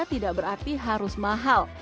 tidak berarti harus mahal